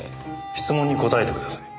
質問に答えてください。